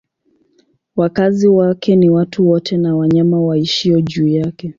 Wakazi wake ni watu wote na wanyama waishio juu yake.